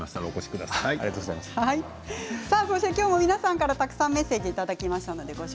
今日も皆さんからたくさんメッセージいただきました。